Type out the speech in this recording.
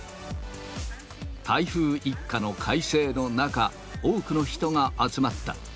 台風一過の快晴の中、多くの人が集まった。